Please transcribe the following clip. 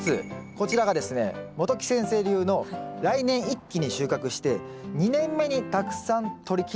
こちらがですね元木先生流の来年一気に収穫して２年目にたくさんとりきると。